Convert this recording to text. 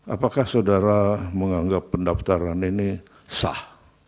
apakah saudara menganggap pendaftaran ini sah